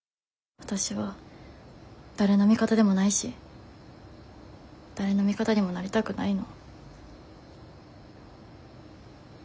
わたしは誰の味方でもないし誰の味方にもなりたくないの。